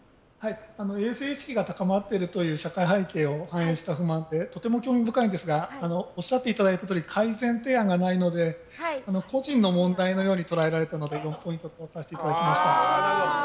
衛生意識が高まっていることを踏まえた不満でとても興味深いんですがおっしゃっていただいたとおり改善提案がないので個人の問題のようにとらえられたので４ポイントとさせていただきました。